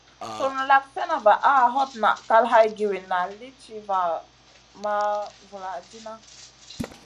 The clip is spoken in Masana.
Sùn lak slèna vaʼa, hot naʼ kal hay giwinna lì ti ma vuladidna.